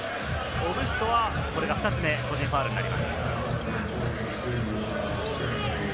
オブストはこれが２つ目の個人ファウルになります。